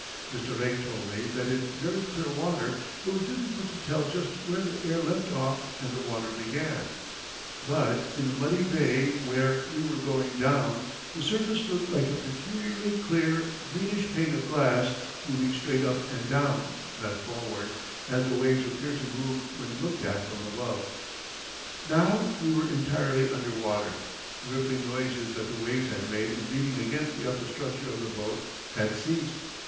Mr. Lake told me that in very clear water it was difficult to tell just where the air left off and the water began; but in the muddy bay where we were going down the surface looked like a peculiarly clear, greenish pane of glass moving straight up and down, not forward, as the waves appear to move when looked at from above. Now we were entirely under water. The rippling noises that the waves had made in beating against the upper structure of the boat had ceased.